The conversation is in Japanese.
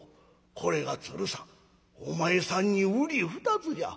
これが鶴さんお前さんにうり二つじゃ。